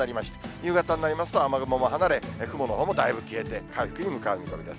夕方になりますと、雨雲も離れ、雲のほうもだいぶ消えて、回復に向かう見込みです。